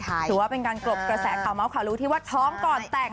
ถือว่าเป็นการกลบกระแสข่าวเมาส์ข่าวรู้ที่ว่าท้องก่อนแต่ง